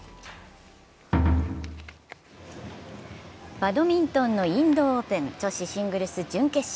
バドミントンのインドオープン女子シングルス準決勝。